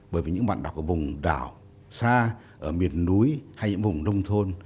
bởi vì những bạn đọc ở bồng đảo xa ở miền núi hay những bồng nông thôn